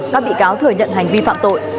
các bị cáo thừa nhận hành vi phạm tội